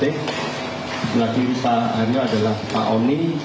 sebelah kiri pak aryo adalah pak omni